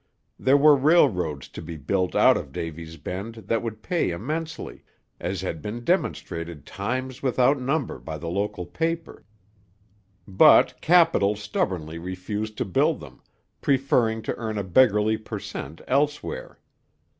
There were railroads to be built out of Davy's Bend that would pay immensely, as had been demonstrated times without number by the local paper; but Capital stubbornly refused to build them, preferring to earn a beggarly per cent elsewhere.